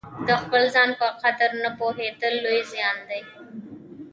د خپل ځان په قدر نه پوهېدل لوی زیان دی.